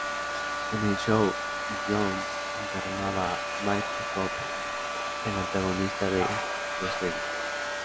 En el show, Jones encarnaba a "Mike the Cop", el antagonista de Costello.